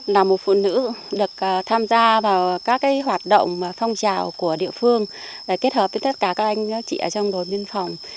là một phụ nữ được tham gia vào các hoạt động phong trào của địa phương kết hợp với tất cả các anh các chị ở trong đồn biên phòng